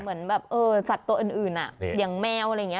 เหมือนแบบสัตว์ตัวอื่นอย่างแมวอะไรอย่างนี้